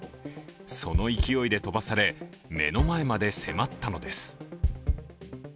その勢いで飛ばされ、目の前まで迫ったのです。